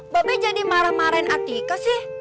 babe jadi marah marahin atika sih